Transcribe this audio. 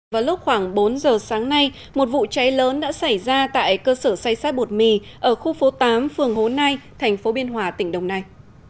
vào lúc khoảng bốn giờ sáng nay một vụ cháy lớn đã xảy ra tại cơ sở xay sát bột mì ở khu phố tám phường hố nai thành phố biên hòa tỉnh đồng nai